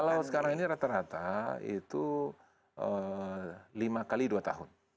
kalau sekarang ini rata rata itu lima x dua tahun